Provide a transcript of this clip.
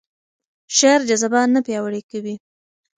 شعر جذبه نه پیاوړې کوي.